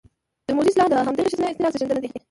د موذي اصطلاح د همدغې ښځينه اعتراض زېږنده دى: